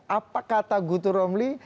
apa kata gunter romli